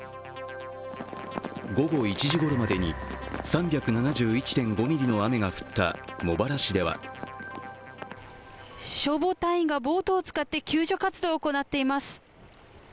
午後１時ごろまでに３７１．５ミリの雨が降った茂原市では消防隊員がボートを使って救助活動を行っています。